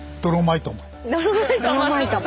ドロマイトも！